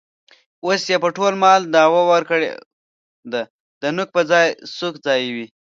اوس یې په ټول مال دعوه ورکړې ده. د نوک په ځای سوک ځایوي.